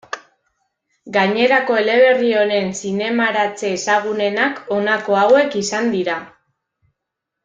Gainerako eleberri honen zinemaratze ezagunenak honako hauek izan dira.